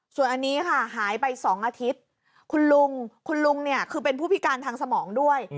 ส่วนอันนี้ค่ะหายไป๒อาทิตย์คุณลุงคุณลุงเนี่ยคือเป็นผู้พิการทางสมองด้วย